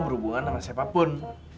berhubungan sama siapapun